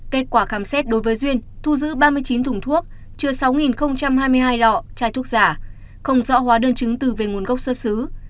kết quả khám xét đối với duyên thu giữ ba mươi chín thùng thuốc chứa sáu hai mươi hai lọ chai thuốc giả không rõ hóa đơn chứng từ về nguồn gốc xuất xứ